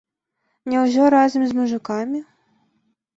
Няўжо разам з мужыкамі?